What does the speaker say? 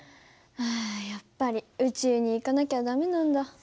あやっぱり宇宙に行かなきゃ駄目なんだ。